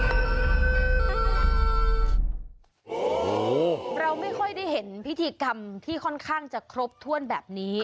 โอ้โหเราไม่ค่อยได้เห็นพิธีกรรมที่ค่อนข้างจะครบถ้วนแบบนี้